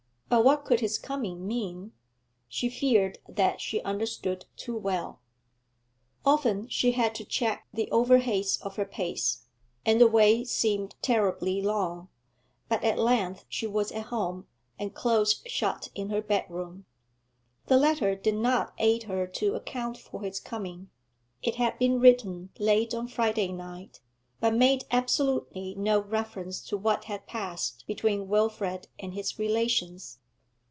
But what could his coming mean? She feared that she understood too well. Often she had to check the over haste of her pace, and the way seemed terribly long, but at length she was at home and close shut in her bedroom. The letter did not aid her to account for his coming; it had been written late on Friday night, but made absolutely no reference to what had passed between Wilfrid and his relations.